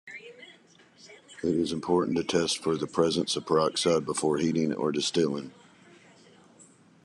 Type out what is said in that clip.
It is important to test for the presence of peroxides before heating or distilling.